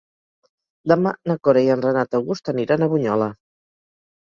Demà na Cora i en Renat August aniran a Bunyola.